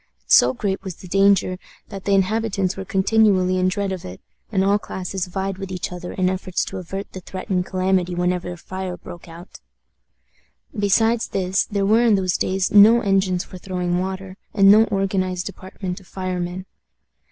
So great was the danger, that the inhabitants were continually in dread of it, and all classes vied with each other in efforts to avert the threatened calamity whenever a fire broke out. Besides this, there were in those days no engines for throwing water, and no organized department of firemen.